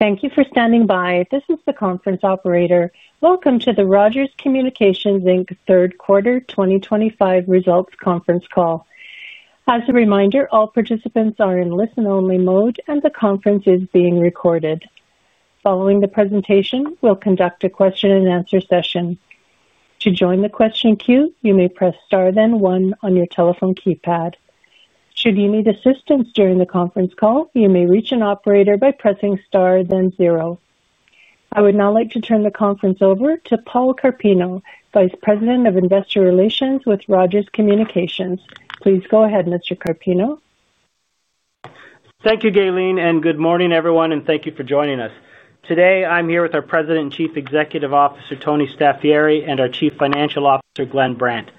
Thank you for standing by. This is the conference operator. Welcome to the Rogers Communications Inc third quarter 2025 results conference call. As a reminder, all participants are in listen-only mode, and the conference is being recorded. Following the presentation, we'll conduct a question and answer session. To join the question queue, you may press star then one on your telephone keypad. Should you need assistance during the conference call, you may reach an operator by pressing star then zero. I would now like to turn the conference over to Paul Carpino, Vice President of Investor Relations with Rogers Communications. Please go ahead, Mr. Carpino. Thank you, Gaylene, and good morning, everyone, and thank you for joining us. Today, I'm here with our President and Chief Executive Officer, Tony Staffieri, and our Chief Financial Officer, Glenn Brandt.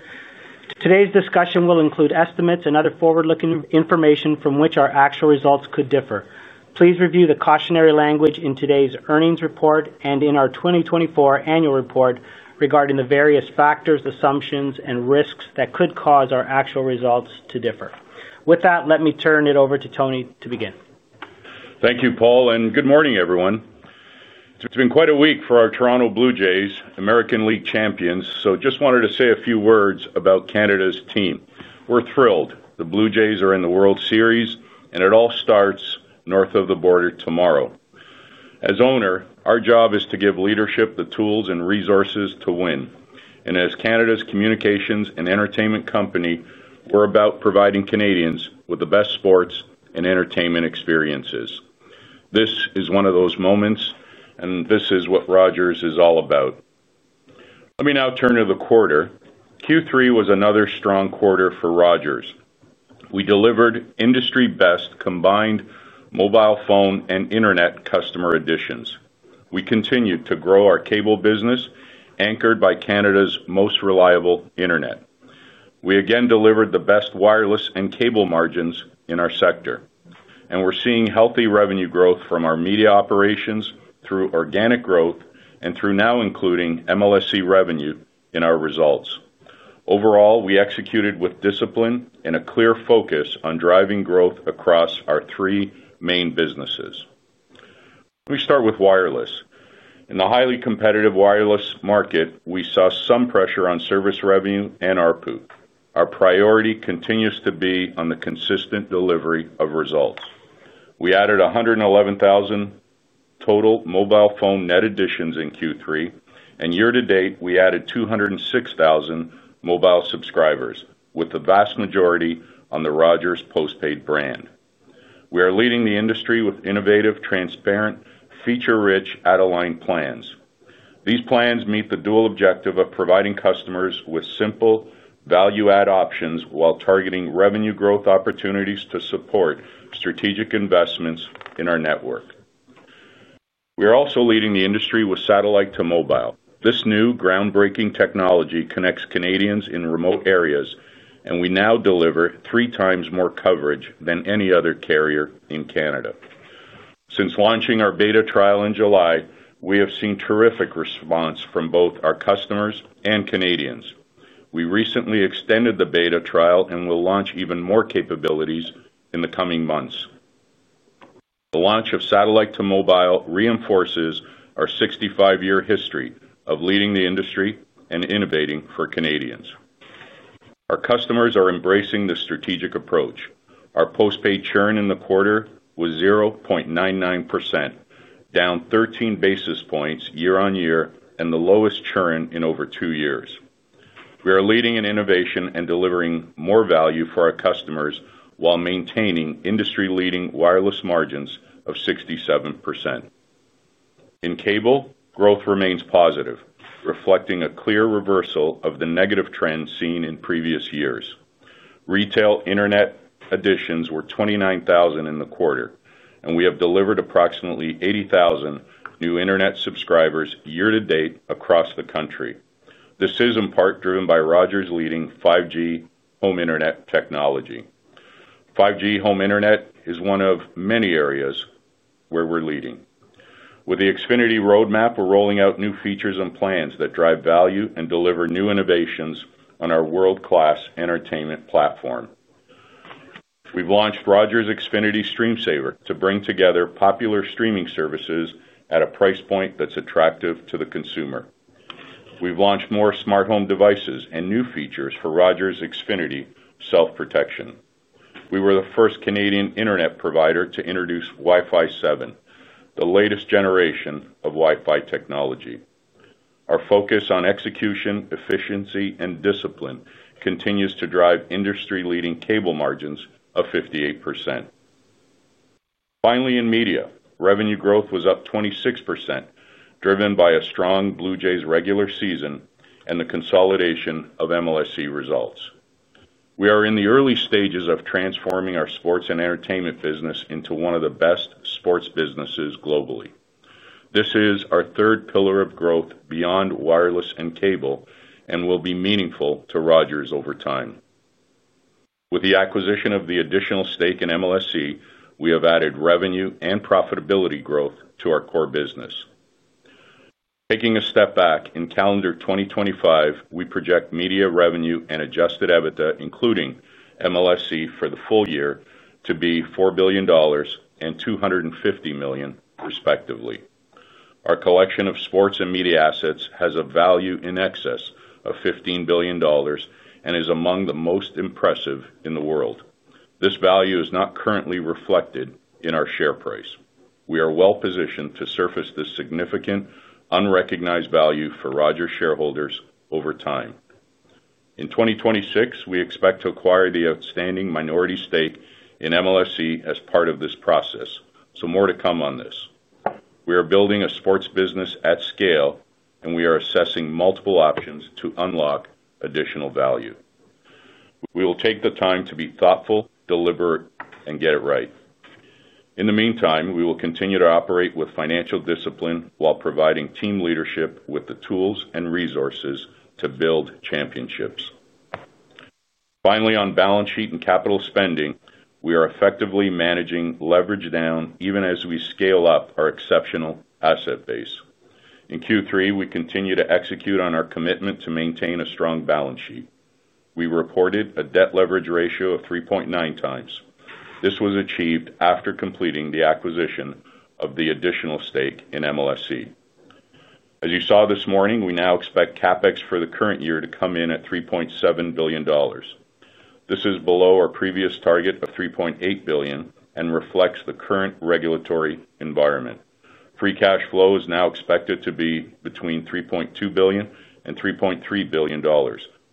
Today's discussion will include estimates and other forward-looking information from which our actual results could differ. Please review the cautionary language in today's earnings report and in our 2024 annual report regarding the various factors, assumptions, and risks that could cause our actual results to differ. With that, let me turn it over to Tony to begin. Thank you, Paul, and good morning, everyone. It's been quite a week for our Toronto Blue Jays, American League champions, so I just wanted to say a few words about Canada's team. We're thrilled. The Blue Jays are in the World Series, and it all starts north of the border tomorrow. As owner, our job is to give leadership the tools and resources to win. As Canada's communications and entertainment company, we're about providing Canadians with the best sports and entertainment experiences. This is one of those moments, and this is what Rogers is all about. Let me now turn to the quarter. Q3 was another strong quarter for Rogers. We delivered industry-best combined mobile phone and internet customer additions. We continued to grow our cable business, anchored by Canada's most reliable internet. We again delivered the best wireless and cable margins in our sector. We're seeing healthy revenue growth from our media operations through organic growth and through now including MLSE revenue in our results. Overall, we executed with discipline and a clear focus on driving growth across our three main businesses. Let me start with wireless. In the highly competitive wireless market, we saw some pressure on service revenue and ARPU. Our priority continues to be on the consistent delivery of results. We added 111,000 total mobile phone net additions in Q3, and year to date, we added 206,000 mobile subscribers, with the vast majority on the Rogers postpaid brand. We are leading the industry with innovative, transparent, feature-rich, at-a-line plans. These plans meet the dual objective of providing customers with simple value-add options while targeting revenue growth opportunities to support strategic investments in our network. We are also leading the industry with Satellite-to-Mobile. This new groundbreaking technology connects Canadians in remote areas, and we now deliver three times more coverage than any other carrier in Canada. Since launching our beta trial in July, we have seen terrific response from both our customers and Canadians. We recently extended the beta trial and will launch even more capabilities in the coming months. The launch of Satellite-to-Mobile reinforces our 65-year history of leading the industry and innovating for Canadians. Our customers are embracing the strategic approach. Our Postpaid Churn in the quarter was 0.99%, down 13 basis points year on year, and the lowest churn in over two years. We are leading in innovation and delivering more value for our customers while maintaining industry-leading wireless margins of 67%. In cable, growth remains positive, reflecting a clear reversal of the negative trends seen in previous years. Retail internet additions were 29,000 in the quarter, and we have delivered approximately 80,000 new internet subscribers year to date across the country. This is in part driven by Rogers' leading 5G Home Internet technology. 5G Home Internet is one of many areas where we're leading. With the Xfinity roadmap, we're rolling out new features and plans that drive value and deliver new innovations on our world-class entertainment platform. We've launched Rogers Xfinity StreamSaver to bring together popular streaming services at a price point that's attractive to the consumer. We've launched more smart home devices and new features for Rogers Xfinity self-protection. We were the first Canadian internet provider to introduce Wi-Fi 7, the latest generation of Wi-Fi technology. Our focus on execution, efficiency, and discipline continues to drive industry-leading cable margins of 58%. Finally, in media, revenue growth was up 26%, driven by a strong Blue Jays regular season and the consolidation of MLSE results. We are in the early stages of transforming our sports and entertainment business into one of the best sports businesses globally. This is our third pillar of growth beyond wireless and cable and will be meaningful to Rogers over time. With the acquisition of the additional stake in MLSE, we have added revenue and profitability growth to our core business. Taking a step back, in calendar 2025, we project media revenue and Adjusted EBITDA, including MLSE for the full year, to be $4 billion and $250 million, respectively. Our collection of sports and media assets has a value in excess of $15 billion and is among the most impressive in the world. This value is not currently reflected in our share price. We are well positioned to surface this significant, unrecognized value for Rogers shareholders over time. In 2026, we expect to acquire the outstanding minority stake in MLSE as part of this process, so more to come on this. We are building a sports business at scale, and we are assessing multiple options to unlock additional value. We will take the time to be thoughtful, deliberate, and get it right. In the meantime, we will continue to operate with financial discipline while providing team leadership with the tools and resources to build championships. Finally, on balance sheet and capital spending, we are effectively managing leverage down even as we scale up our exceptional asset base. In Q3, we continue to execute on our commitment to maintain a strong balance sheet. We reported a Debt Leverage Ratio of 3.9 times. This was achieved after completing the acquisition of the additional stake in MLSE. As you saw this morning, we now expect CapEx for the current year to come in at $3.7 billion. This is below our previous target of $3.8 billion and reflects the current regulatory environment. Free Cash Flow is now expected to be between $3.2 billion and $3.3 billion,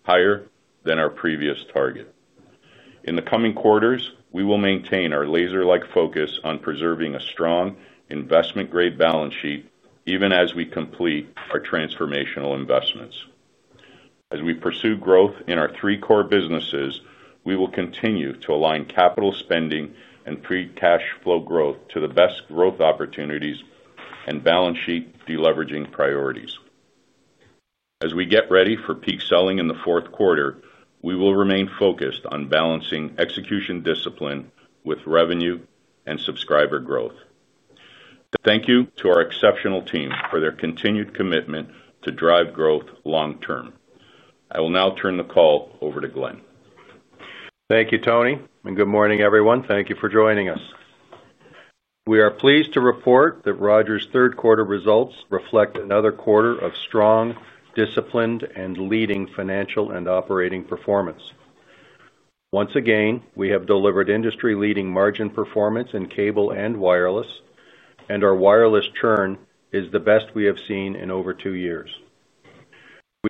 higher than our previous target. In the coming quarters, we will maintain our laser-like focus on preserving a strong investment-grade balance sheet even as we complete our transformational investments. As we pursue growth in our three core businesses, we will continue to align capital spending and Free Cash Flow growth to the best growth opportunities and balance sheet deleveraging priorities. As we get ready for peak selling in the fourth quarter, we will remain focused on balancing execution discipline with revenue and subscriber growth. Thank you to our exceptional team for their continued commitment to drive growth long term. I will now turn the call over to Glenn. Thank you, Tony, and good morning, everyone. Thank you for joining us. We are pleased to report that Rogers' third quarter results reflect another quarter of strong, disciplined, and leading financial and operating performance. Once again, we have delivered industry-leading margin performance in cable and wireless, and our wireless churn is the best we have seen in over two years.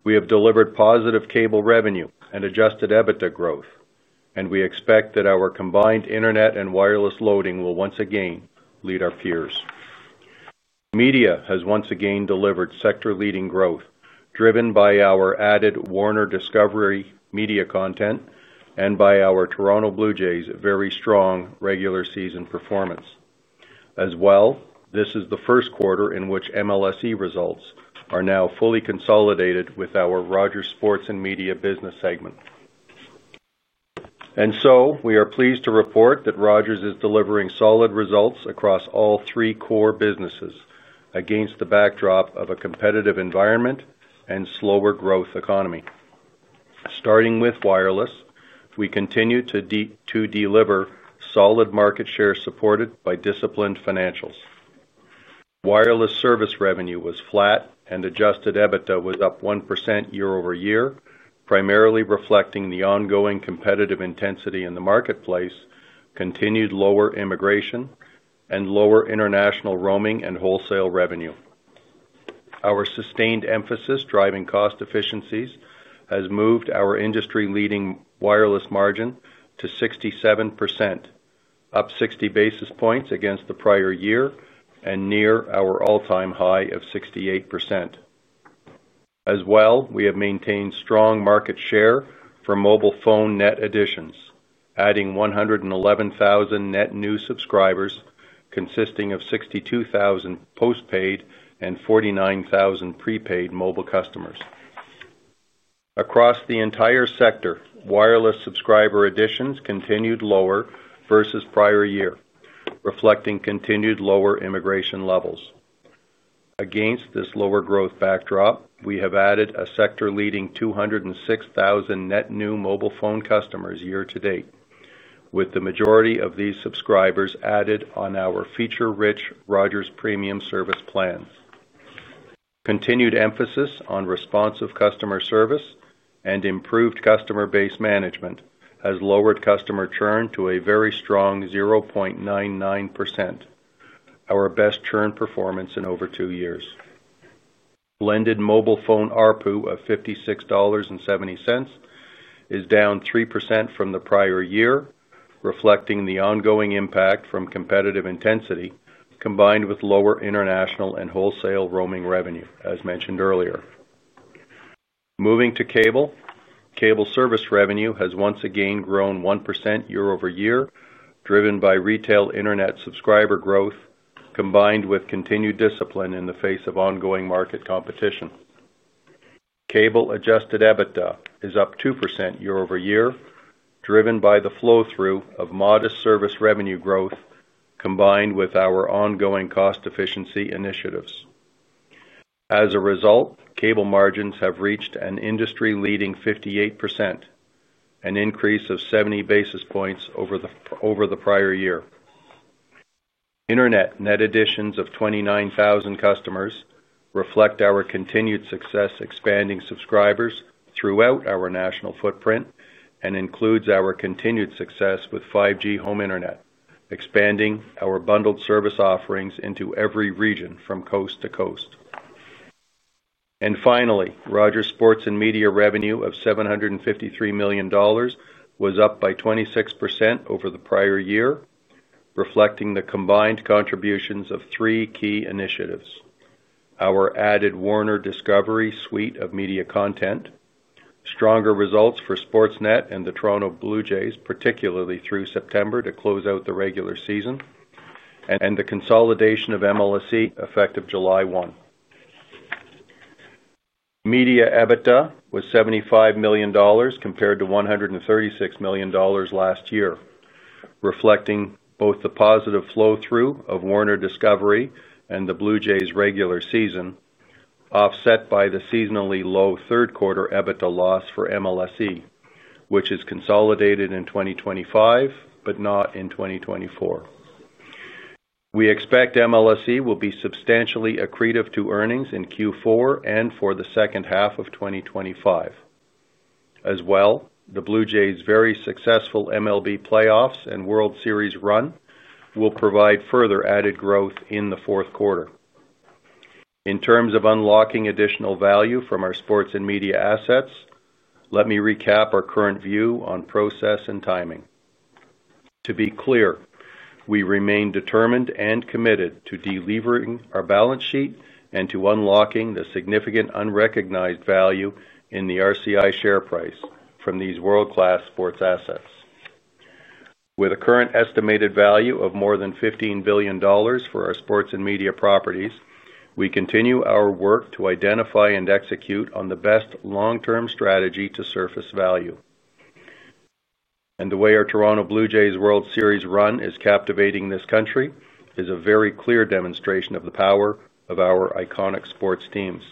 We have delivered positive cable revenue and Adjusted EBITDA growth, and we expect that our combined internet and wireless loading will once again lead our peers. Media has once again delivered sector-leading growth, driven by our added Warner Discovery media content and by our Toronto Blue Jays' very strong regular season performance. This is the first quarter in which MLSE results are now fully consolidated with our Rogers sports and media business segment. We are pleased to report that Rogers is delivering solid results across all three core businesses against the backdrop of a competitive environment and slower growth economy. Starting with wireless, we continue to deliver solid market share supported by disciplined financials. Wireless service revenue was flat, and Adjusted EBITDA was up 1% year over year, primarily reflecting the ongoing competitive intensity in the marketplace, continued lower immigration, and lower international roaming and wholesale revenue. Our sustained emphasis driving cost efficiencies has moved our industry-leading wireless margin to 67%, up 60 basis points against the prior year and near our all-time high of 68%. We have maintained strong market share for mobile phone net additions, adding 111,000 net new subscribers, consisting of 62,000 postpaid and 49,000 prepaid mobile customers. Across the entire sector, wireless subscriber additions continued lower versus prior year, reflecting continued lower immigration levels. Against this lower growth backdrop, we have added a sector-leading 206,000 net new mobile phone customers year to date, with the majority of these subscribers added on our feature-rich Rogers premium service plans. Continued emphasis on responsive customer service and improved customer base management has lowered customer churn to a very strong 0.99%, our best churn performance in over two years. Blended mobile phone ARPU of $56.70 is down 3% from the prior year, reflecting the ongoing impact from competitive intensity combined with lower international and wholesale roaming revenue, as mentioned earlier. Moving to cable, cable service revenue has once again grown 1% year over year, driven by retail internet subscriber growth combined with continued discipline in the face of ongoing market competition. Cable Adjusted EBITDA is up 2% year over year, driven by the flow-through of modest service revenue growth combined with our ongoing cost efficiency initiatives. As a result, cable margins have reached an industry-leading 58%, an increase of 70 basis points over the prior year. Internet net additions of 29,000 customers reflect our continued success expanding subscribers throughout our national footprint and includes our continued success with 5G Home Internet, expanding our bundled service offerings into every region from coast to coast. Finally, Rogers sports and media revenue of $753 million was up by 26% over the prior year, reflecting the combined contributions of three key initiatives: our added Warner Discovery suite of media content, stronger results for Sportsnet and the Toronto Blue Jays, particularly through September to close out the regular season, and the consolidation of MLSE effective July 1st. Media EBITDA was $75 million compared to $136 million last year, reflecting both the positive flow-through of Warner Discovery and the Blue Jays' regular season, offset by the seasonally low third-quarter EBITDA loss for MLSE, which is consolidated in 2025 but not in 2024. We expect MLSE will be substantially accretive to earnings in Q4 and for the second half of 2025. The Blue Jays' very successful MLB playoffs and World Series run will provide further added growth in the fourth quarter. In terms of unlocking additional value from our sports and media assets, let me recap our current view on process and timing. To be clear, we remain determined and committed to delivering our balance sheet and to unlocking the significant unrecognized value in the RCI share price from these world-class sports assets. With a current estimated value of more than $15 billion for our sports and media properties, we continue our work to identify and execute on the best long-term strategy to surface value. The way our Toronto Blue Jays' World Series run is captivating this country is a very clear demonstration of the power of our iconic sports teams.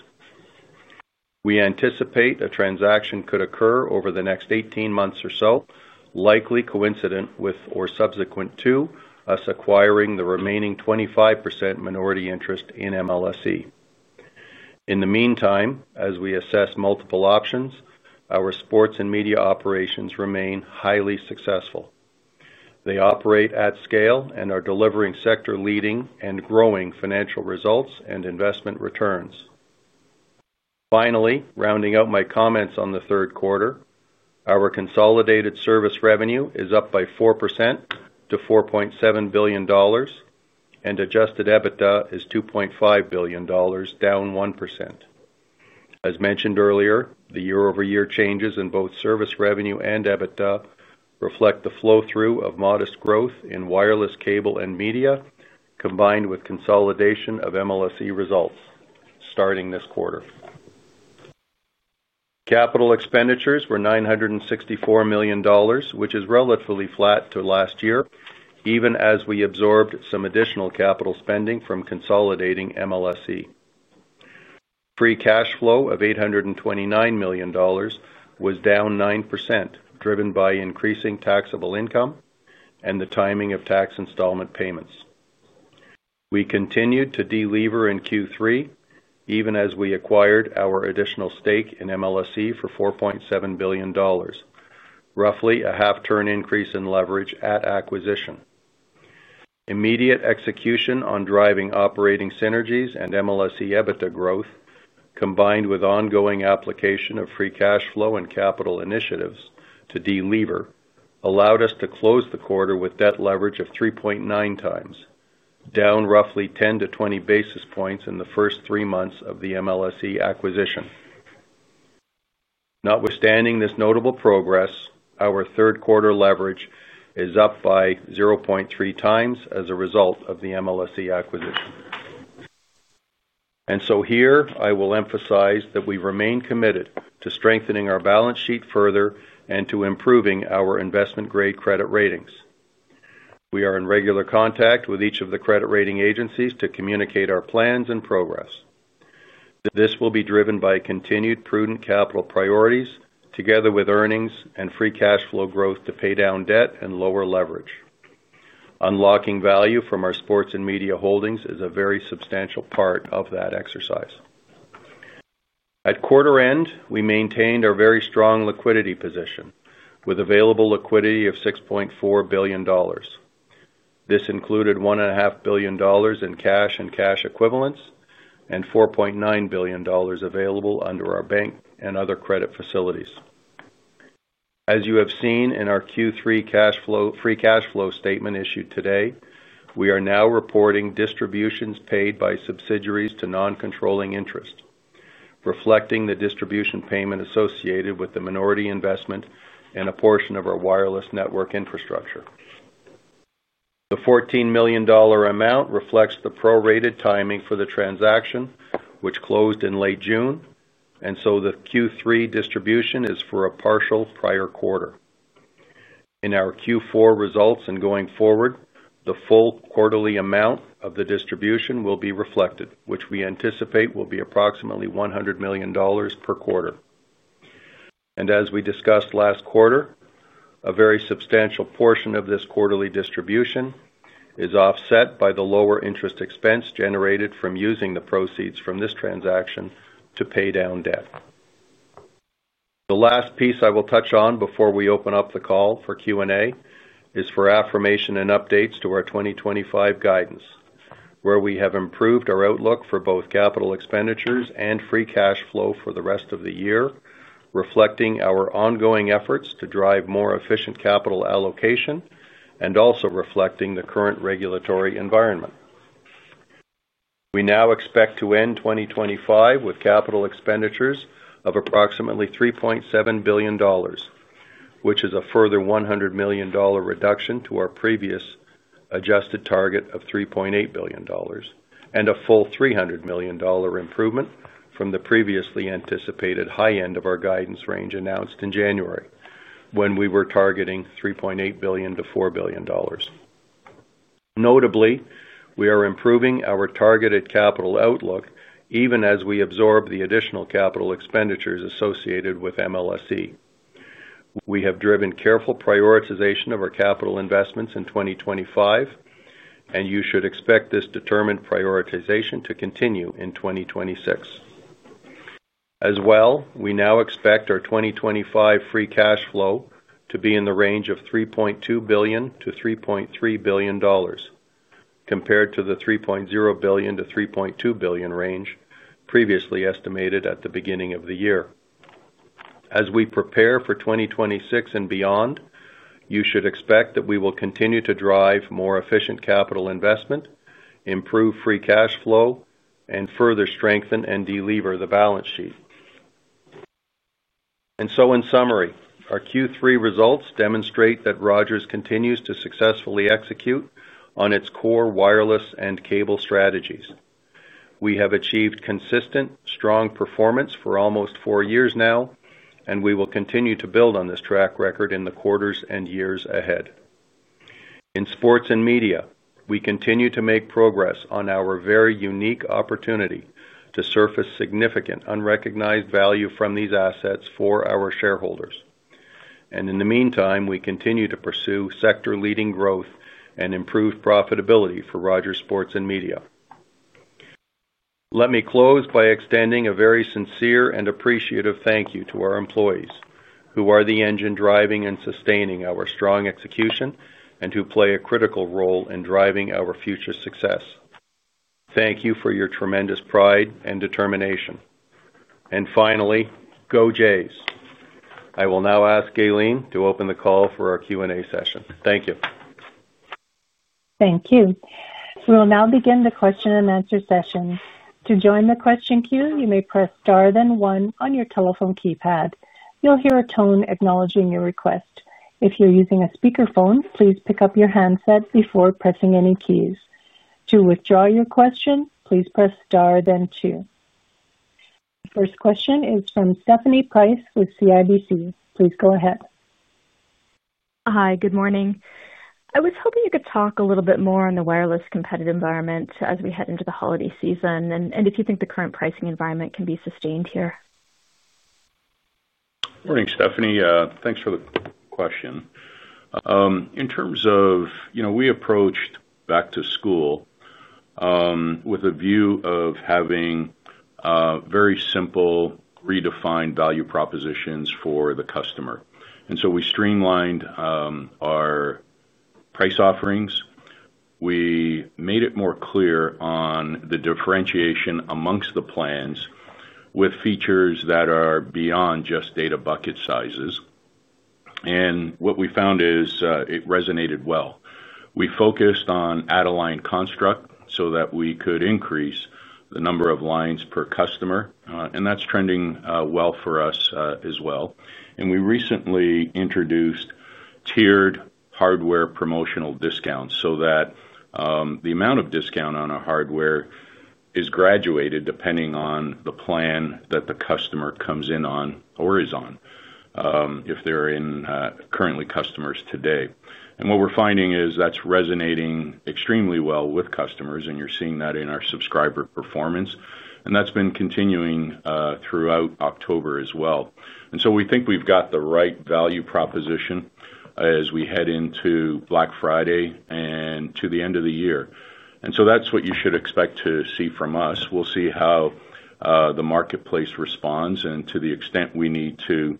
We anticipate a transaction could occur over the next 18 months or so, likely coincident with or subsequent to us acquiring the remaining 25% minority interest in MLSE. In the meantime, as we assess multiple options, our sports and media operations remain highly successful. They operate at scale and are delivering sector-leading and growing financial results and investment returns. Finally, rounding out my comments on the third quarter, our consolidated service revenue is up by 4% to $4.7 billion, and Adjusted EBITDA is $2.5 billion, down 1%. As mentioned earlier, the year-over-year changes in both service revenue and EBITDA reflect the flow-through of modest growth in wireless, cable, and media combined with consolidation of MLSE results starting this quarter. Capital expenditures were $964 million, which is relatively flat to last year, even as we absorbed some additional capital spending from consolidating MLSE. Free Cash Flow of $829 million was down 9%, driven by increasing taxable income and the timing of tax installment payments. We continued to deliver in Q3, even as we acquired our additional stake in MLSE for $4.7 billion, roughly a half-turn increase in leverage at acquisition. Immediate execution on driving operating synergies and MLSE EBITDA growth, combined with ongoing application of Free Cash Flow and capital initiatives to deliver, allowed us to close the quarter with debt leverage of 3.9 times, down roughly 10 to 20 basis points in the first three months of the MLSE acquisition. Notwithstanding this notable progress, our third-quarter leverage is up by 0.3 times as a result of the MLSE acquisition. Here, I will emphasize that we remain committed to strengthening our balance sheet further and to improving our investment-grade credit ratings. We are in regular contact with each of the credit rating agencies to communicate our plans and progress. This will be driven by continued prudent capital priorities, together with earnings and Free Cash Flow growth to pay down debt and lower leverage. Unlocking value from our sports and media holdings is a very substantial part of that exercise. At quarter end, we maintained our very strong liquidity position, with available liquidity of $6.4 billion. This included $1.5 billion in cash and cash equivalents and $4.9 billion available under our bank and other credit facilities. As you have seen in our Q3 Free Cash Flow statement issued today, we are now reporting distributions paid by subsidiaries to non-controlling interests, reflecting the distribution payment associated with the minority investment and a portion of our wireless network infrastructure. The $14 million amount reflects the prorated timing for the transaction, which closed in late June, and the Q3 distribution is for a partial prior quarter. In our Q4 results and going forward, the full quarterly amount of the distribution will be reflected, which we anticipate will be approximately $100 million per quarter. As we discussed last quarter, a very substantial portion of this quarterly distribution is offset by the lower interest expense generated from using the proceeds from this transaction to pay down debt. The last piece I will touch on before we open up the call for Q&A is for affirmation and updates to our 2025 guidance, where we have improved our outlook for both capital expenditures and Free Cash Flow for the rest of the year, reflecting our ongoing efforts to drive more efficient capital allocation and also reflecting the current regulatory environment. We now expect to end 2025 with capital expenditures of approximately $3.7 billion, which is a further $100 million reduction to our previous Adjusted target of $3.8 billion and a full $300 million improvement from the previously anticipated high end of our guidance range announced in January, when we were targeting $3.8 billion-$4 billion. Notably, we are improving our targeted capital outlook even as we absorb the additional capital expenditures associated with MLSE. We have driven careful prioritization of our capital investments in 2025, and you should expect this determined prioritization to continue in 2026. We now expect our 2025 Free Cash Flow to be in the range of $3.2 billion-$3.3 billion, compared to the $3.0 billion to $3.2 billion range previously estimated at the beginning of the year. As we prepare for 2026 and beyond, you should expect that we will continue to drive more efficient capital investment, improve Free Cash Flow, and further strengthen and deliver the balance sheet. In summary, our Q3 results demonstrate that Rogers Communications continues to successfully execute on its core wireless and cable strategies. We have achieved consistent, strong performance for almost four years now, and we will continue to build on this track record in the quarters and years ahead. In sports and media, we continue to make progress on our very unique opportunity to surface significant unrecognized value from these assets for our shareholders. In the meantime, we continue to pursue sector-leading growth and improve profitability for Rogers sports and media. Let me close by extending a very sincere and appreciative thank you to our employees, who are the engine driving and sustaining our strong execution and who play a critical role in driving our future success. Thank you for your tremendous pride and determination. Go Jays. I will now ask Gaylene to open the call for our Q&A session. Thank you. Thank you. We will now begin the question and answer session. To join the question queue, you may press star then one on your telephone keypad. You'll hear a tone acknowledging your request. If you're using a speakerphone, please pick up your handset before pressing any keys. To withdraw your question, please press star then two. First question is from Stephanie Price with CIBC. Please go ahead. Hi, good morning. I was hoping you could talk a little bit more on the wireless competitive environment as we head into the holiday season, and if you think the current pricing environment can be sustained here. Morning, Stephanie. Thanks for the question. In terms of, you know, we approached back to school with a view of having very simple redefined value propositions for the customer. We streamlined our price offerings. We made it more clear on the differentiation amongst the plans with features that are beyond just data bucket sizes. What we found is it resonated well. We focused on at-a-line construct so that we could increase the number of lines per customer, and that's trending well for us as well. We recently introduced tiered hardware promotional discounts so that the amount of discount on a hardware is graduated depending on the plan that the customer comes in on or is on, if they're currently customers today. What we're finding is that's resonating extremely well with customers, and you're seeing that in our subscriber performance. That's been continuing throughout October as well. We think we've got the right value proposition as we head into Black Friday and to the end of the year. That's what you should expect to see from us. We'll see how the marketplace responds, and to the extent we need to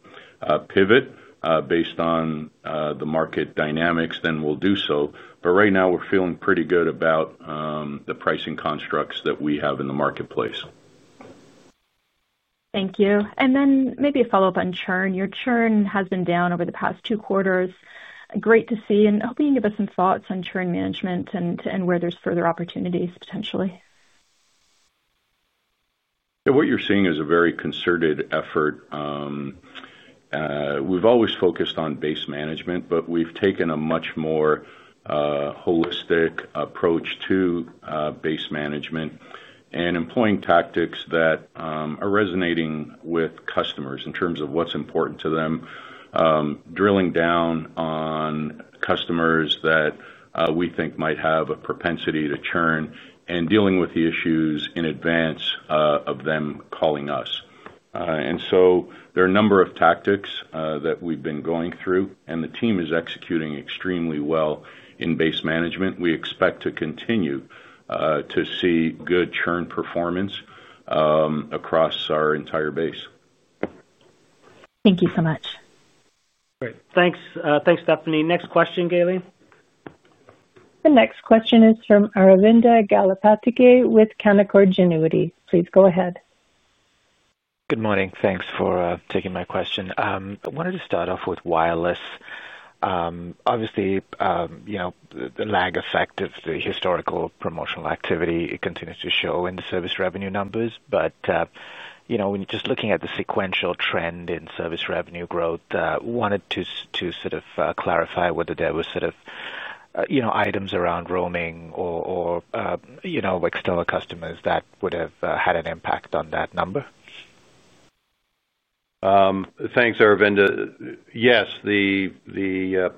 pivot based on the market dynamics, then we'll do so. Right now, we're feeling pretty good about the pricing constructs that we have in the marketplace. Thank you. Maybe a follow-up on churn. Your churn has been down over the past two quarters. Great to see, and hoping you can give us some thoughts on churn management and where there's further opportunities potentially. Yeah, what you're seeing is a very concerted effort. We've always focused on base management, but we've taken a much more holistic approach to base management and employing tactics that are resonating with customers in terms of what's important to them, drilling down on customers that we think might have a propensity to churn and dealing with the issues in advance of them calling us. There are a number of tactics that we've been going through, and the team is executing extremely well in base management. We expect to continue to see good churn performance across our entire base. Thank you so much. Great. Thanks, Stephanie. Next question, Gaylene. The next question is from Aravinda Galappatthige with Canaccord Genuity. Please go ahead. Good morning. Thanks for taking my question. I wanted to start off with wireless. Obviously, you know, the lag effect of the historical promotional activity continues to show in the service revenue numbers. When you're just looking at the sequential trend in service revenue growth, I wanted to clarify whether there were items around roaming or external customers that would have had an impact on that number. Thanks, Aravinda. Yes, the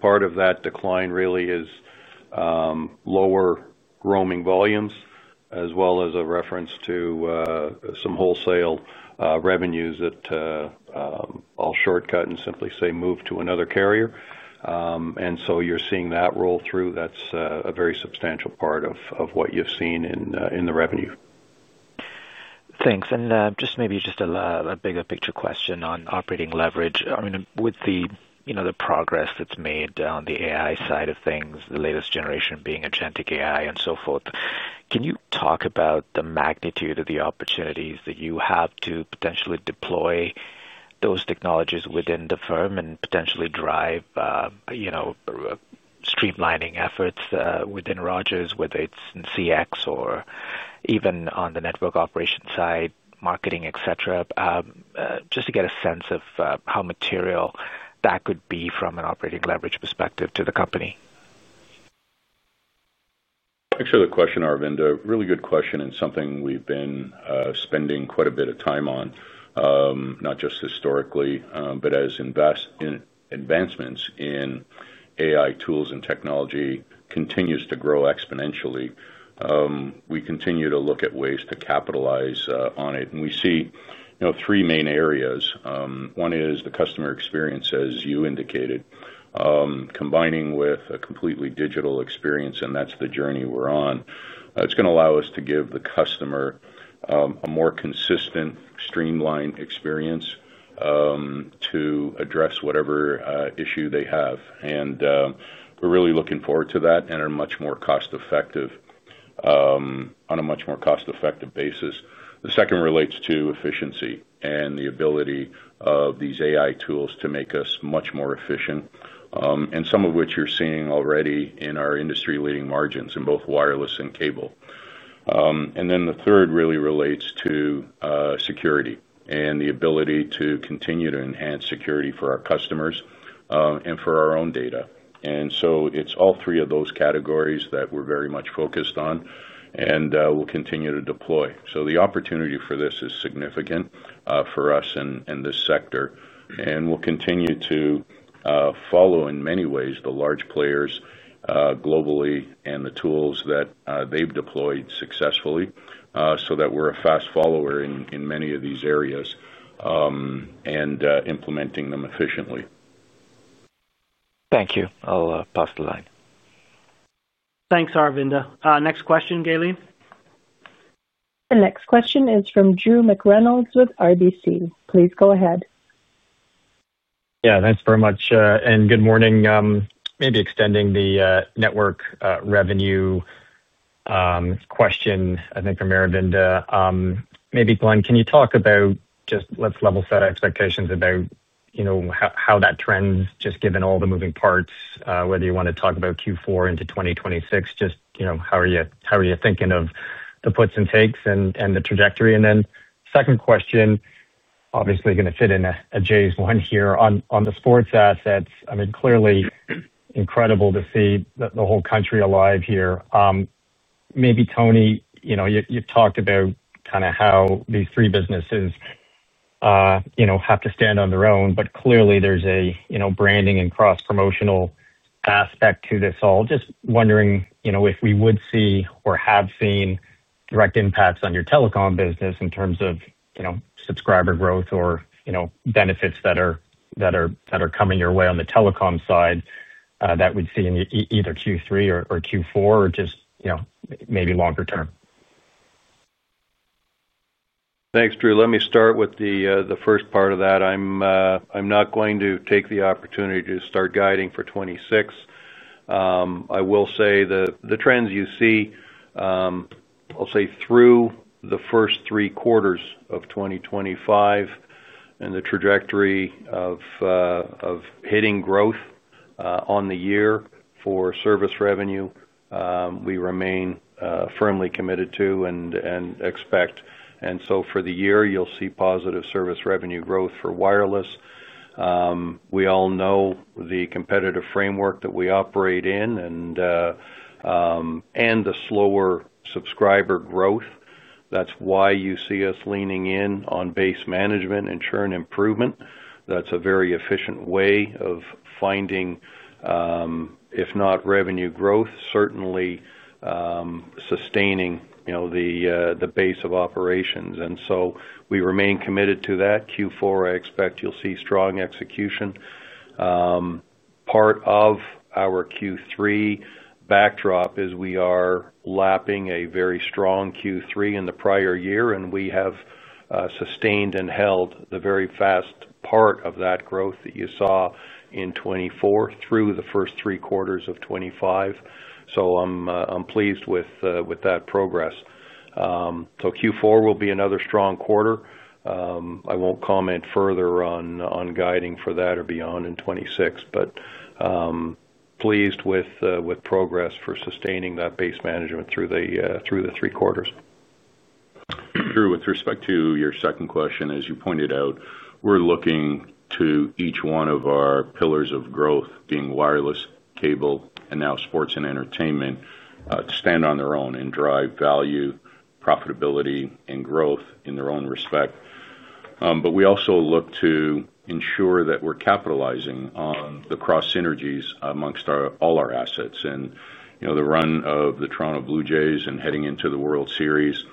part of that decline really is lower roaming volumes, as well as a reference to some wholesale revenues that I'll shortcut and simply say move to another carrier. You're seeing that roll through. That's a very substantial part of what you've seen in the revenue. Thanks. Maybe just a bigger picture question on operating leverage. With the progress that's made on the AI side of things, the latest generation being Agentic AI and so forth, can you talk about the magnitude of the opportunities that you have to potentially deploy those technologies within the firm and potentially drive streamlining efforts within Rogers, whether it's in CX or even on the network operations side, marketing, etc.? Just to get a sense of how material that could be from an operating leverage perspective to the company. Thanks for the question, Aravinda. Really good question and something we've been spending quite a bit of time on, not just historically, but as investments in AI tools and technology continue to grow exponentially, we continue to look at ways to capitalize on it. We see, you know, three main areas. One is the customer experience, as you indicated, combining with a completely digital experience, and that's the journey we're on. It's going to allow us to give the customer a more consistent, streamlined experience to address whatever issue they have. We're really looking forward to that and are much more cost-effective on a much more cost-effective basis. The second relates to efficiency and the ability of these AI tools to make us much more efficient, and some of which you're seeing already in our industry-leading margins in both wireless and cable. The third really relates to security and the ability to continue to enhance security for our customers and for our own data. It's all three of those categories that we're very much focused on and will continue to deploy. The opportunity for this is significant for us in this sector. We'll continue to follow, in many ways, the large players globally and the tools that they've deployed successfully so that we're a fast follower in many of these areas and implementing them efficiently. Thank you. I'll pass the line. Thanks, Aravinda. Next question, Gaylene. The next question is from Drew McReynolds with RBC. Please go ahead. Yeah, thanks very much. Good morning. Maybe extending the network revenue question, I think, from Aravinda. Glenn, can you talk about just let's level set expectations about, you know, how that trends, just given all the moving parts, whether you want to talk about Q4 into 2026, just, you know, how are you thinking of the puts and takes and the trajectory? Second question, obviously going to fit in a Jays' one here on the sports assets. I mean, clearly incredible to see the whole country alive here. Tony, you know, you've talked about kind of how these three businesses, you know, have to stand on their own, but clearly there's a, you know, branding and cross-promotional aspect to this all. Just wondering, you know, if we would see or have seen direct impacts on your telecom business in terms of, you know, subscriber growth or, you know, benefits that are coming your way on the telecom side that we'd see in either Q3 or Q4 or just, you know, maybe longer term? Thanks, Drew. Let me start with the first part of that. I'm not going to take the opportunity to start guiding for 2026. I will say the trends you see, I'll say through the first three quarters of 2025 and the trajectory of hitting growth on the year for service revenue, we remain firmly committed to and expect. For the year, you'll see positive service revenue growth for wireless. We all know the competitive framework that we operate in and the slower subscriber growth. That's why you see us leaning in on base management and churn improvement. That's a very efficient way of finding, if not revenue growth, certainly sustaining the base of operations. We remain committed to that. Q4, I expect you'll see strong execution. Part of our Q3 backdrop is we are lapping a very strong Q3 in the prior year, and we have sustained and held the very fast part of that growth that you saw in 2024 through the first three quarters of 2025. I'm pleased with that progress. Q4 will be another strong quarter. I won't comment further on guiding for that or beyond in 2026, but pleased with progress for sustaining that base management through the three quarters. Drew, with respect to your second question, as you pointed out, we're looking to each one of our pillars of growth, being wireless, cable, and now sports and entertainment, to stand on their own and drive value, profitability, and growth in their own respect. We also look to ensure that we're capitalizing on the cross synergies amongst all our assets. The run of the Toronto Blue Jays and heading into the World Series,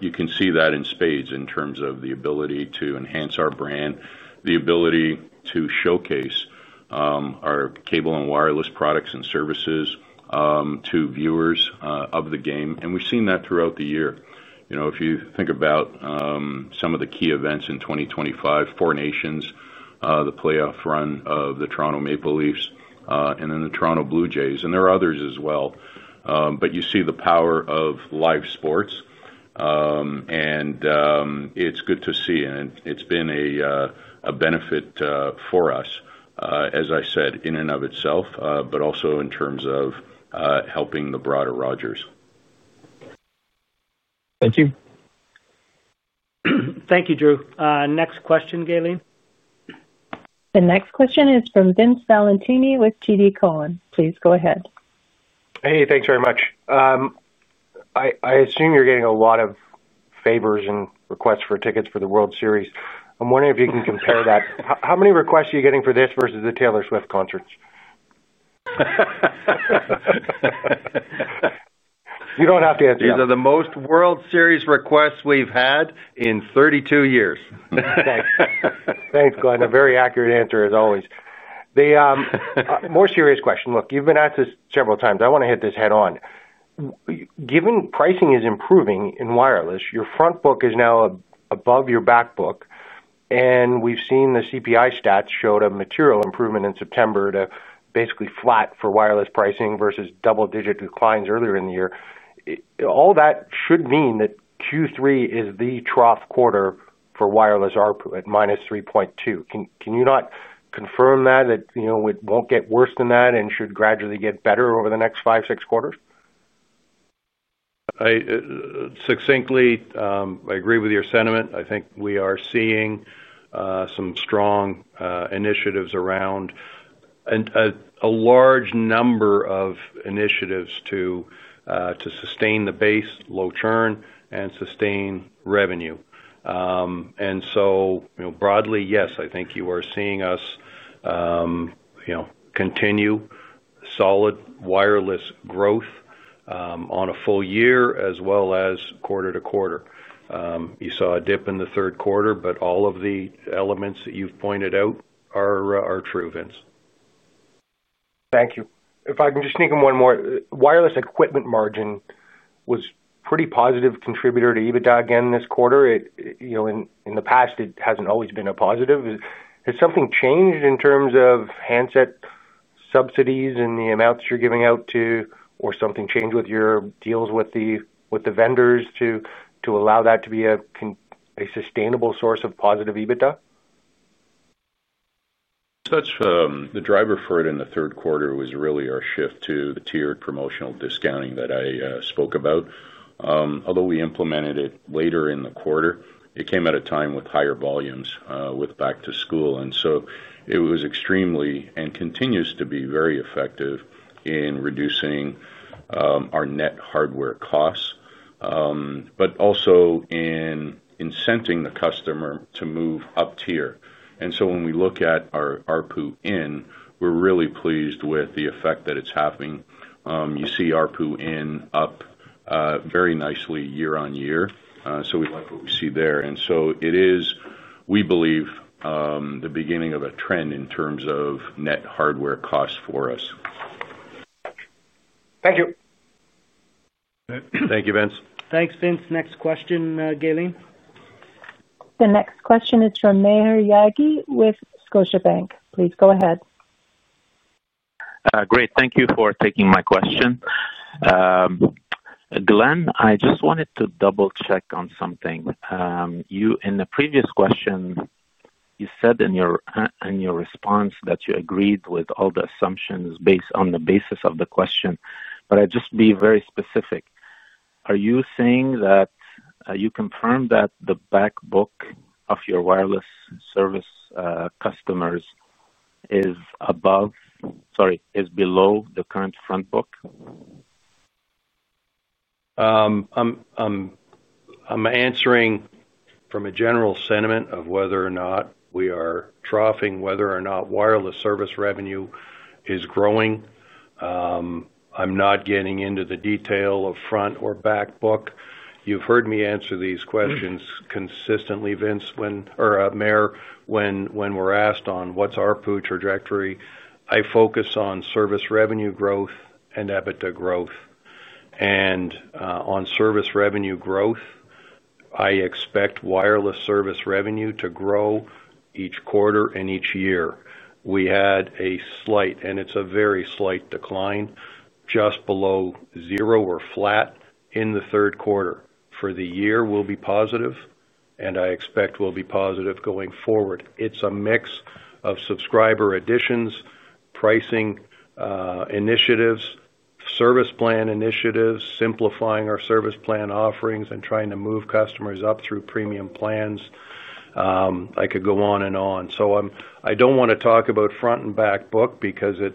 you can see that in spades in terms of the ability to enhance our brand, the ability to showcase our cable and wireless products and services to viewers of the game. We've seen that throughout the year. If you think about some of the key events in 2025, Four Nations, the playoff run of the Toronto Maple Leafs, and then the Toronto Blue Jays, and there are others as well. You see the power of live sports, and it's good to see, and it's been a benefit for us, as I said, in and of itself, but also in terms of helping the broader Rogers. Thank you. Thank you, Drew. Next question, Gaylene. The next question is from Vince Valentini with TD Cowen. Please go ahead. Hey, thanks very much. I assume you're getting a lot of favors and requests for tickets for the World Series. I'm wondering if you can compare that. How many requests are you getting for this versus the Taylor Swift concerts? You don't have to answer that. These are the most World Series requests we've had in 32 years. Thanks, Glenn. A very accurate answer, as always. A more serious question. Look, you've been asked this several times. I want to hit this head-on. Given pricing is improving in wireless, your front book is now above your back book, and we've seen the CPI stats showed a material improvement in September to basically flat for wireless pricing versus double-digit declines earlier in the year. All that should mean that Q3 is the trough quarter for wireless ARPU at -3.2%. Can you not confirm that, that it won't get worse than that and should gradually get better over the next five, six quarters? Succinctly, I agree with your sentiment. I think we are seeing some strong initiatives around a large number of initiatives to sustain the base, low churn, and sustain revenue. Broadly, yes, I think you are seeing us continue solid wireless growth on a full year as well as quarter to quarter. You saw a dip in the third quarter, but all of the elements that you've pointed out are true, Vince. Thank you. If I can just sneak in one more, wireless equipment margin was a pretty positive contributor to EBITDA again this quarter. In the past, it hasn't always been a positive. Has something changed in terms of handset subsidies and the amounts you're giving out to, or something changed with your deals with the vendors to allow that to be a sustainable source of positive EBITDA? The driver for it in the third quarter was really our shift to the tiered promotional discounting that I spoke about. Although we implemented it later in the quarter, it came at a time with higher volumes with back to school. It was extremely and continues to be very effective in reducing our net hardware costs, but also in incenting the customer to move up tier. When we look at our ARPU in, we're really pleased with the effect that it's having. You see ARPU in up very nicely year on year. We like what we see there. It is, we believe, the beginning of a trend in terms of net hardware costs for us. Thank you. Thank you, Vince. Thanks, Vince. Next question, Gaylene. The next question is from Maher Yaghi with Scotiabank. Please go ahead. Great. Thank you for taking my question. Glenn, I just wanted to double-check on something. In the previous question, you said in your response that you agreed with all the assumptions based on the basis of the question, but I'd just be very specific. Are you saying that you confirm that the back book of your wireless service customers is below the current front book? I'm answering from a general sentiment of whether or not we are troughing, whether or not wireless service revenue is growing. I'm not getting into the detail of front or back book. You've heard me answer these questions consistently, Vince, or Maher, when we're asked on what's ARPU trajectory, I focus on service revenue growth and EBITDA growth. On service revenue growth, I expect wireless service revenue to grow each quarter and each year. We had a slight, and it's a very slight, decline, just below zero or flat in the third quarter. For the year, we'll be positive, and I expect we'll be positive going forward. It's a mix of subscriber additions, pricing initiatives, service plan initiatives, simplifying our service plan offerings, and trying to move customers up through premium plans. I could go on and on. I don't want to talk about front and back book because it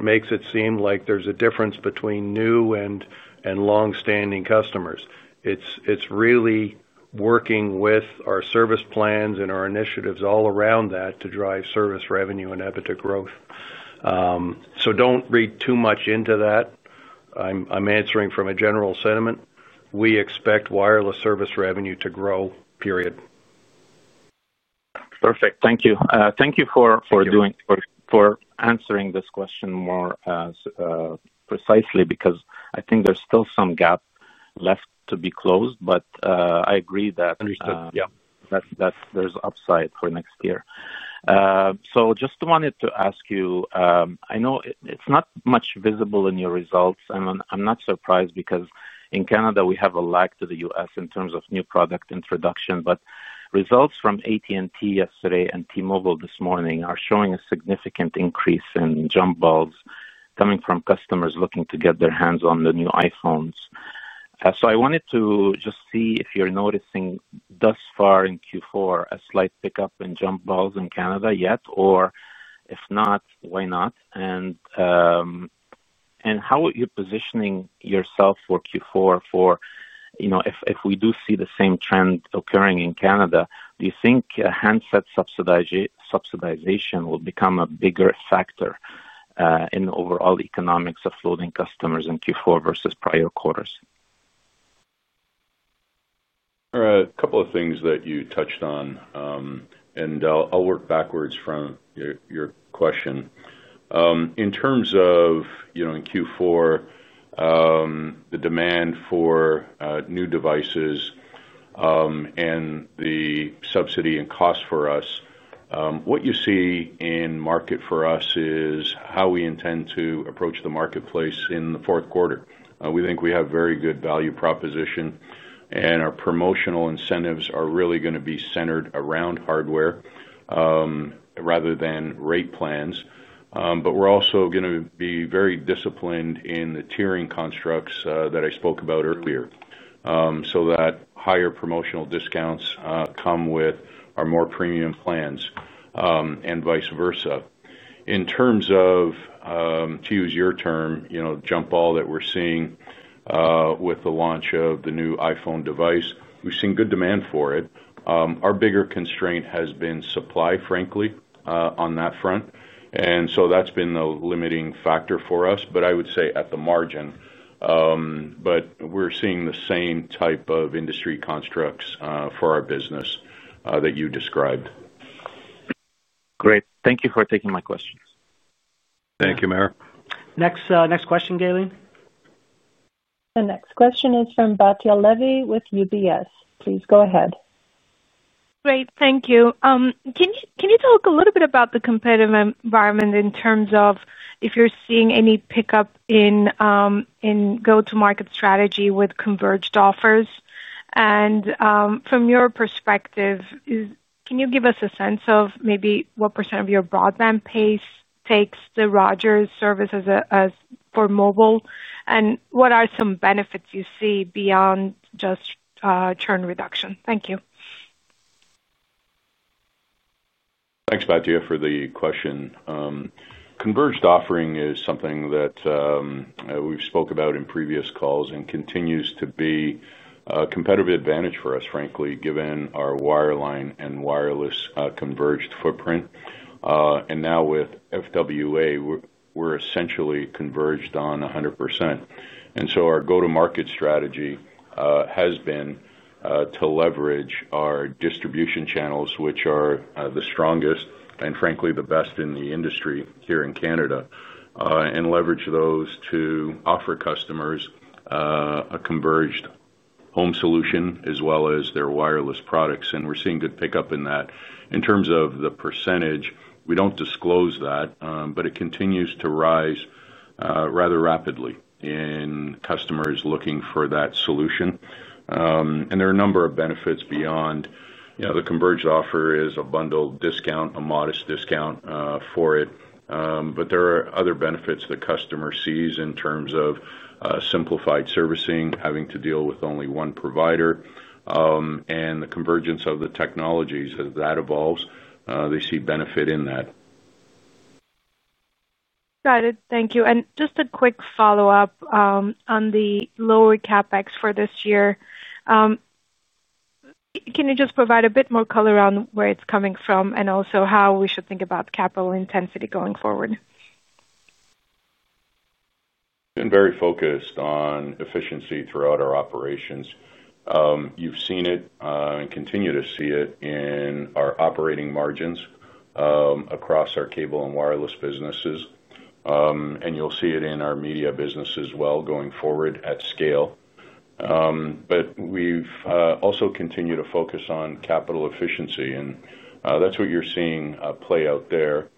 makes it seem like there's a difference between new and long-standing customers. It's really working with our service plans and our initiatives all around that to drive service revenue and EBITDA growth. Don't read too much into that. I'm answering from a general sentiment. We expect wireless service revenue to grow, period. Perfect. Thank you. Thank you for answering this question more precisely, because I think there's still some gap left to be closed, but I agree with that. Yeah, that there's upside for next year. I just wanted to ask you, I know it's not much visible in your results, and I'm not surprised because in Canada, we have a lag to the U.S. in terms of new product introduction. Results from AT&T yesterday and T-Mobile this morning are showing a significant increase in jump balls coming from customers looking to get their hands on the new iPhones. I wanted to just see if you're noticing thus far in Q4 a slight pickup in jump balls in Canada yet, or if not, why not? How are you positioning yourself for Q4? If we do see the same trend occurring in Canada, do you think handset subsidization will become a bigger factor in the overall economics of floating customers in Q4 versus prior quarters? There are a couple of things that you touched on, and I'll work backwards from your question. In terms of, you know, in Q4, the demand for new devices and the subsidy and cost for us, what you see in market for us is how we intend to approach the marketplace in the fourth quarter. We think we have very good value proposition, and our promotional incentives are really going to be centered around hardware rather than rate plans. We're also going to be very disciplined in the tiering constructs that I spoke about earlier, so that higher promotional discounts come with our more premium plans and vice versa. In terms of, to use your term, you know, jump ball that we're seeing with the launch of the new iPhone device, we've seen good demand for it. Our bigger constraint has been supply, frankly, on that front. That's been the limiting factor for us, but I would say at the margin. We're seeing the same type of industry constructs for our business that you described. Great. Thank you for taking my questions. Thank you, Maher Next question, Gaylene. The next question is from Batya Levi with UBS. Please go ahead. Great. Thank you. Can you talk a little bit about the competitive environment in terms of if you're seeing any pickup in go-to-market strategy with converged offerings? From your perspective, can you give us a sense of maybe what % of your broadband base takes the Rogers service as for mobile? What are some benefits you see beyond just churn reduction? Thank you. Thanks, Batia, for the question. Converged offering is something that we've spoke about in previous calls and continues to be a competitive advantage for us, frankly, given our wireline and wireless converged footprint. Now with FWA, we're essentially converged on 100%. Our go-to-market strategy has been to leverage our distribution channels, which are the strongest and frankly the best in the industry here in Canada, and leverage those to offer customers a converged home solution as well as their wireless products. We're seeing good pickup in that. In terms of the %, we don't disclose that, but it continues to rise rather rapidly in customers looking for that solution. There are a number of benefits beyond, you know, the converged offer is a bundle discount, a modest discount for it. There are other benefits that customers see in terms of simplified servicing, having to deal with only one provider, and the convergence of the technologies as that evolves. They see benefit in that. Got it. Thank you. Just a quick follow-up on the lower CapEx for this year. Can you provide a bit more color on where it's coming from and also how we should think about capital intensity going forward? We've been very focused on efficiency throughout our operations. You've seen it and continue to see it in our operating margins across our cable and wireless businesses. You'll see it in our media business as well going forward at scale. We've also continued to focus on capital efficiency, and that's what you're seeing play out there.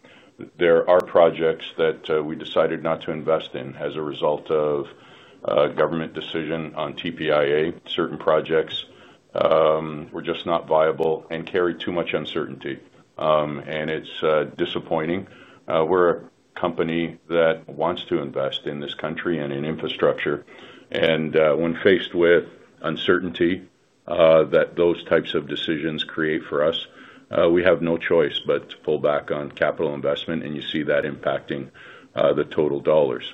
There are projects that we decided not to invest in as a result of a government decision on TPIA. Certain projects were just not viable and carry too much uncertainty, and it's disappointing. We're a company that wants to invest in this country and in infrastructure. When faced with uncertainty that those types of decisions create for us, we have no choice but to pull back on capital investment, and you see that impacting the total dollars.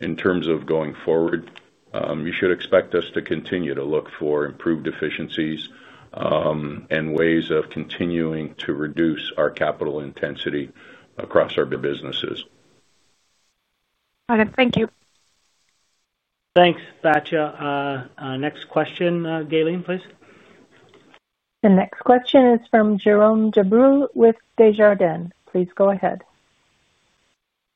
In terms of going forward, you should expect us to continue to look for improved efficiencies and ways of continuing to reduce our capital intensity across our businesses. Got it. Thank you. Thanks, Batia. Next question, Gaylene, please. The next question is from Jerome Dubreuil with Desjardins. Please go ahead.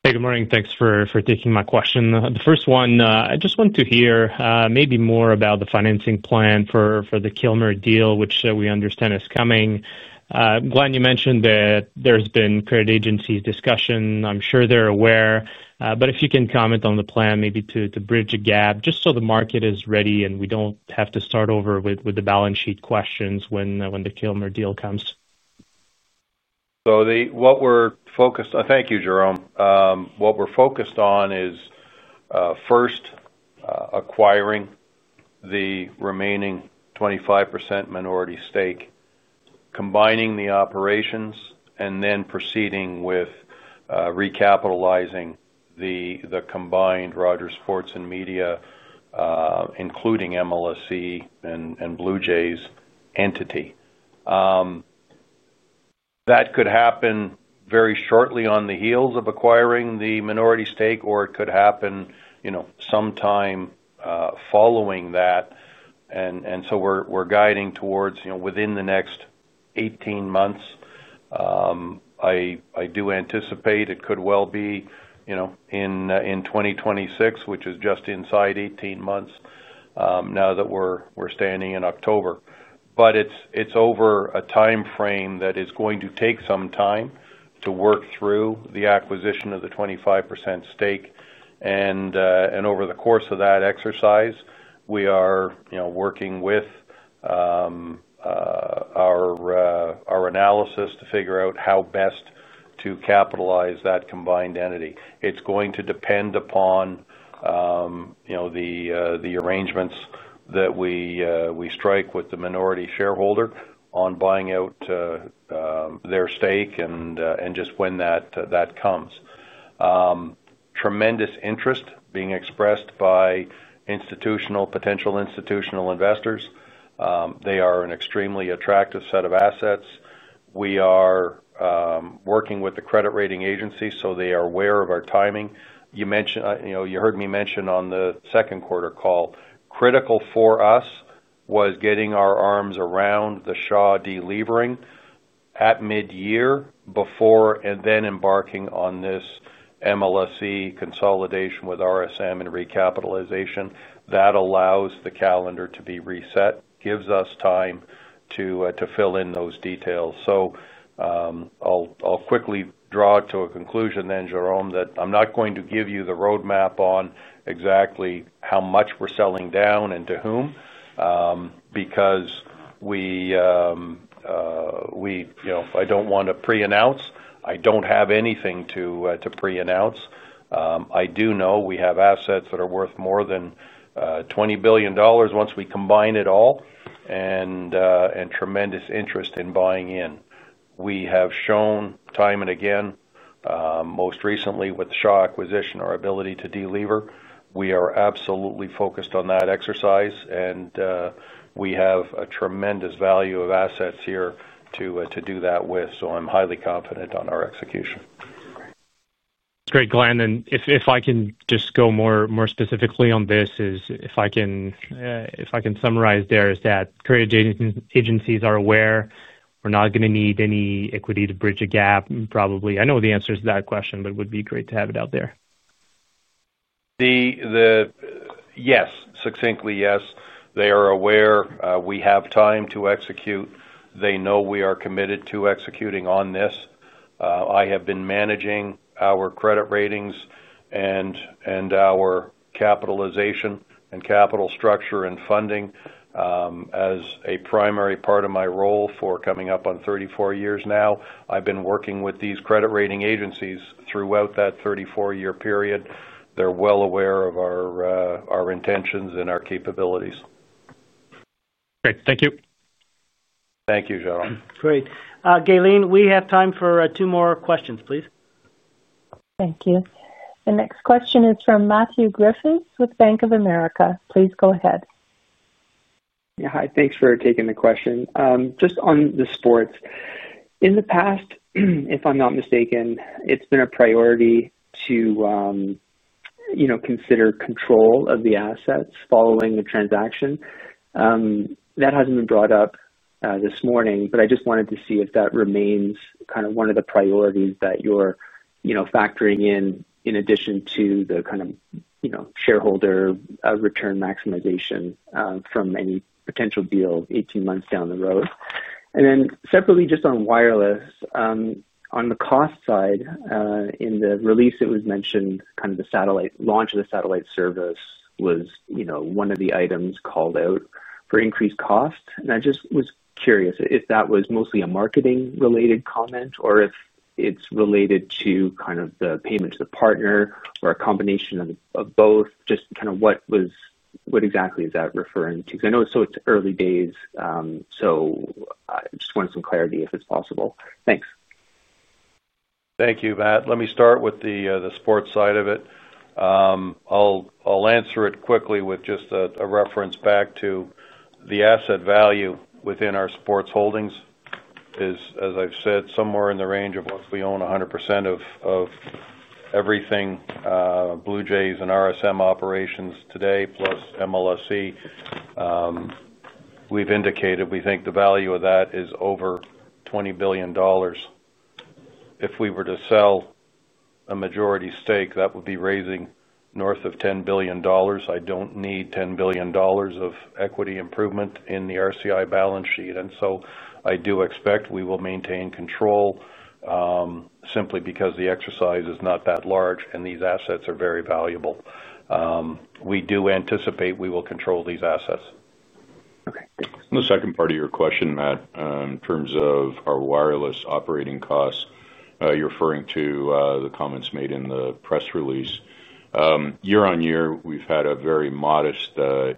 Hey, good morning. Thanks for taking my question. The first one, I just want to hear maybe more about the financing plan for the Kilmer deal, which we understand is coming. Glenn, you mentioned that there's been credit rating agencies' discussion. I'm sure they're aware. If you can comment on the plan, maybe to bridge a gap just so the market is ready and we don't have to start over with the balance sheet questions when the Kilmer deal comes. Thank you, Jerome. What we're focused on is first acquiring the remaining 25% minority stake, combining the operations, and then proceeding with recapitalizing the combined Rogers sports and media, including MLSE and Blue Jays' entity. That could happen very shortly on the heels of acquiring the minority stake, or it could happen sometime following that. We're guiding towards within the next 18 months. I do anticipate it could well be in 2026, which is just inside 18 months now that we're standing in October. It's over a timeframe that is going to take some time to work through the acquisition of the 25% stake. Over the course of that exercise, we are working with our analysis to figure out how best to capitalize that combined entity. It's going to depend upon the arrangements that we strike with the minority shareholder on buying out their stake and just when that comes. Tremendous interest is being expressed by potential institutional investors. They are an extremely attractive set of assets. We are working with the credit rating agencies, so they are aware of our timing. You heard me mention on the second quarter call, critical for us was getting our arms around the Shaw delivering at mid-year before and then embarking on this MLSE consolidation with RSM and recapitalization. That allows the calendar to be reset, gives us time to fill in those details. I'll quickly draw to a conclusion then, Jerome, that I'm not going to give you the roadmap on exactly how much we're selling down and to whom because I don't want to pre-announce. I don't have anything to pre-announce. I do know we have assets that are worth more than $20 billion once we combine it all and tremendous interest in buying in. We have shown time and again, most recently with the Shaw acquisition, our ability to deliver. We are absolutely focused on that exercise, and we have a tremendous value of assets here to do that with. I'm highly confident on our execution. That's great, Glenn. If I can just go more specifically on this, if I can summarize, there is that credit rating agencies are aware we're not going to need any equity to bridge a gap probably. I know the answer to that question, but it would be great to have it out there. Yes, succinctly, yes. They are aware we have time to execute. They know we are committed to executing on this. I have been managing our credit ratings and our capitalization and capital structure and funding as a primary part of my role for coming up on 34 years now. I've been working with these credit rating agencies throughout that 34-year period. They're well aware of our intentions and our capabilities. Great. Thank you. Thank you, Jerome. Great. Gaylene, we have time for two more questions, please. Thank you. The next question is from Matthew Griffiths with Bank of America. Please go ahead. Yeah, hi. Thanks for taking the question. Just on the sports, in the past, if I'm not mistaken, it's been a priority to consider control of the assets following the transaction. That hasn't been brought up this morning, but I just wanted to see if that remains kind of one of the priorities that you're factoring in in addition to the kind of shareholder return maximization from any potential deal 18 months down the road. Separately, just on wireless, on the cost side, in the release, it was mentioned the launch of the Satellite-to-Mobile service was one of the items called out for increased cost. I just was curious if that was mostly a marketing-related comment or if it's related to the payment to the partner or a combination of both. What exactly is that referring to? Because I know it's so early days, so I just wanted some clarity if it's possible. Thanks. Thank you, Matt. Let me start with the sports side of it. I'll answer it quickly with just a reference back to the asset value within our sports holdings is, as I've said, somewhere in the range of once we own 100% of everything, Blue Jays and RSM operations today, plus MLSE. We've indicated we think the value of that is over $20 billion. If we were to sell a majority stake, that would be raising north of $10 billion. I don't need $10 billion of equity improvement in the RCI balance sheet. I do expect we will maintain control simply because the exercise is not that large and these assets are very valuable. We do anticipate we will control these assets. Okay. In the second part of your question, Matt, in terms of our wireless operating costs, you're referring to the comments made in the press release. Year on year, we've had a very modest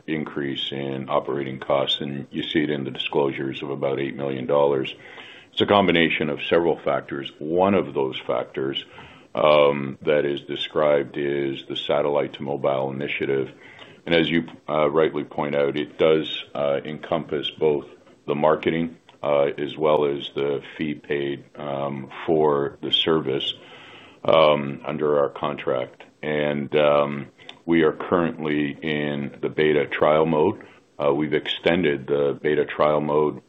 increase in operating costs, and you see it in the disclosures of about $8 million. It's a combination of several factors. One of those factors that is described is the Satellite-to-Mobile service initiative. As you rightly point out, it does encompass both the marketing as well as the fee paid for the service under our contract. We are currently in the beta trial mode. We've extended the beta trial mode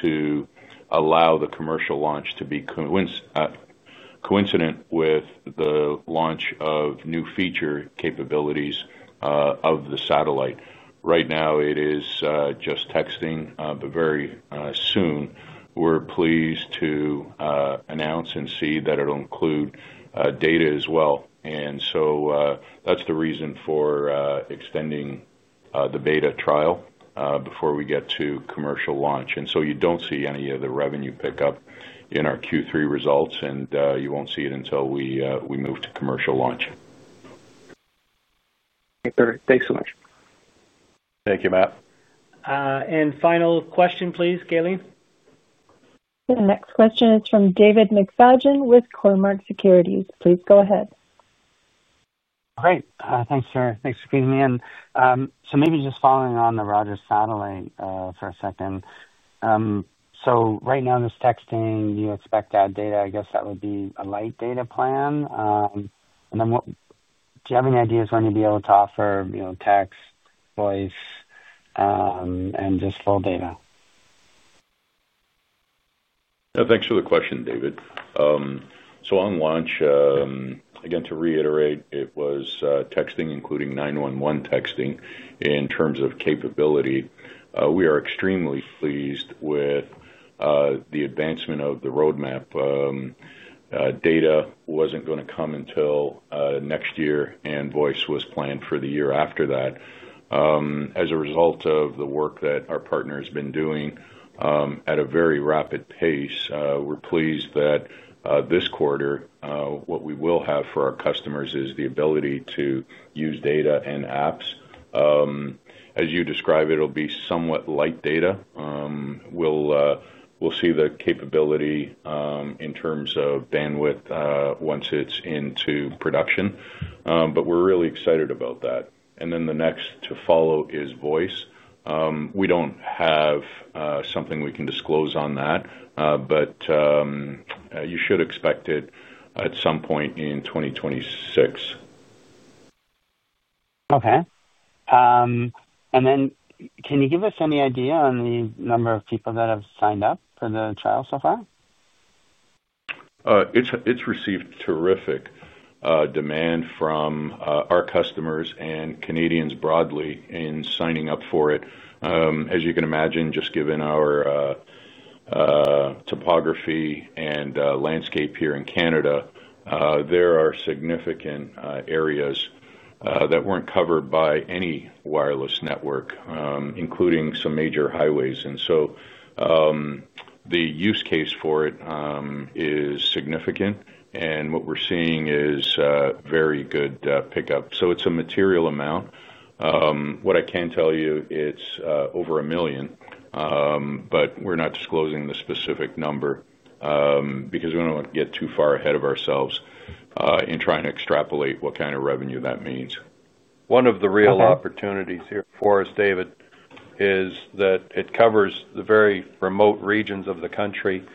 to allow the commercial launch to be coincident with the launch of new feature capabilities of the satellite. Right now, it is just testing, but very soon, we're pleased to announce and see that it'll include data as well. That's the reason for extending the beta trial before we get to commercial launch. You don't see any of the revenue pickup in our Q3 results, and you won't see it until we move to commercial launch. Thanks so much. Thank you, Matt. Final question, please, Gaylene. The next question is from David McFadgen with Cormark Securities. Please go ahead. Great. Thanks, sir. Thanks for feeding me in. Maybe just following on the Rogers Satellite-to-Mobile service for a second. Right now, this texting, you expect to add data. I guess that would be a light data plan. Do you have any ideas when you'd be able to offer, you know, text, voice, and just full data? Yeah, thanks for the question, David. On launch, again, to reiterate, it was texting, including 911 texting in terms of capability. We are extremely pleased with the advancement of the roadmap. Data was not going to come until next year, and voice was planned for the year after that. As a result of the work that our partner has been doing at a very rapid pace, we're pleased that this quarter, what we will have for our customers is the ability to use data and apps. As you describe, it'll be somewhat light data. We'll see the capability in terms of bandwidth once it's into production. We're really excited about that. The next to follow is voice. We don't have something we can disclose on that, but you should expect it at some point in 2026. Okay, can you give us any idea on the number of people that have signed up for the trial so far? It's received terrific demand from our customers and Canadians broadly in signing up for it. As you can imagine, just given our topography and landscape here in Canada, there are significant areas that weren't covered by any wireless network, including some major highways. The use case for it is significant, and what we're seeing is very good pickup. It's a material amount. What I can tell you, it's over $1 million, but we're not disclosing the specific number because we don't want to get too far ahead of ourselves in trying to extrapolate what kind of revenue that means. One of the real opportunities here for us, David, is that it covers the very remote regions of the country.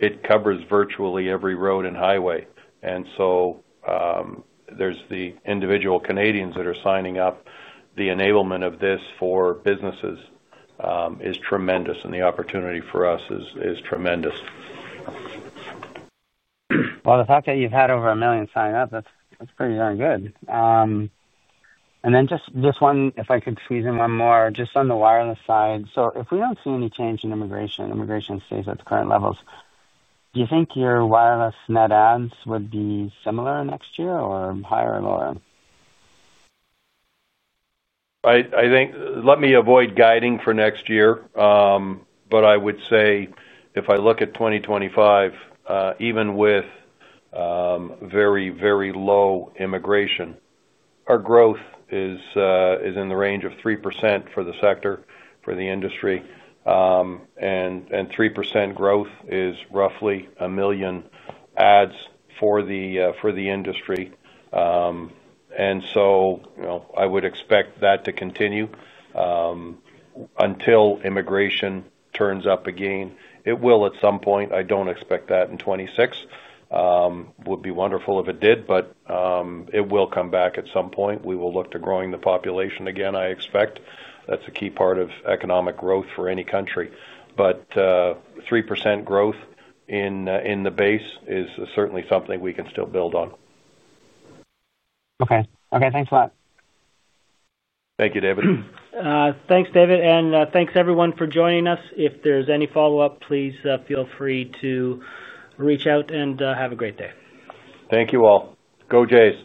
It covers virtually every road and highway. There's the individual Canadians that are signing up. The enablement of this for businesses is tremendous, and the opportunity for us is tremendous. The fact that you've had over $1 million sign up, that's pretty darn good. If I could squeeze in one more, just on the wireless side. If we don't see any change in immigration, immigration stays at the current levels, do you think your wireless net adds would be similar next year or higher or lower? I think let me avoid guiding for next year, but I would say if I look at 2025, even with very, very low immigration, our growth is in the range of 3% for the sector, for the industry. 3% growth is roughly a million adds for the industry. I would expect that to continue until immigration turns up again. It will at some point. I don't expect that in 2026. It would be wonderful if it did, but it will come back at some point. We will look to growing the population again, I expect. That's a key part of economic growth for any country. 3% growth in the base is certainly something we can still build on. Okay, okay. Thanks a lot. Thank you, David. Thanks, David. Thanks everyone for joining us. If there's any follow-up, please feel free to reach out and have a great day. Thank you all. Go Jays.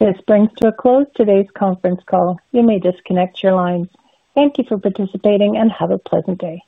This brings to a close today's conference call. You may disconnect your lines. Thank you for participating and have a pleasant day.